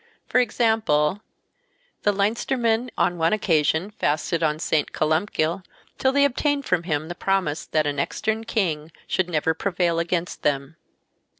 For example, the Leinstermen on one occasion fasted on St. Columkille till they obtained from him the promise that an extern King should never prevail against them.